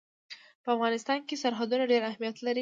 په افغانستان کې سرحدونه ډېر اهمیت لري.